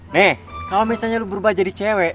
nih kalau misalnya lu berubah jadi cewek